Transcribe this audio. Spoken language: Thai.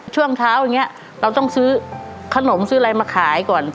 ช่วงเช้าอย่างนี้เราต้องซื้อขนมซื้ออะไรมาขายก่อน